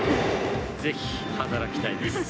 ぜひ働きたいです。